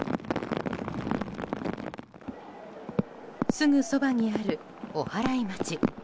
すぐそばにある、おはらい町。